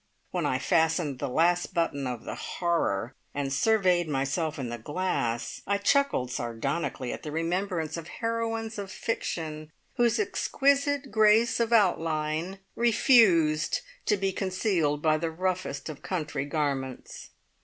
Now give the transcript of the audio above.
When I fastened the last button of the horror and surveyed myself in the glass, I chuckled sardonically at the remembrance of heroines of fiction whose exquisite grace of outline refused to be concealed by the roughest of country garments.